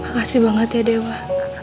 makasih banget ya dewa